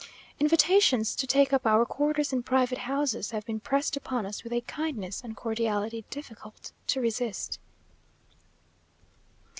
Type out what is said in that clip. Invitations to take up our quarters in private houses have been pressed upon us with a kindness and cordiality difficult to resist....